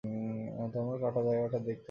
তোমার কাটা জায়গাটা দেখতে দাও।